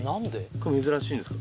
これ珍しいんですか？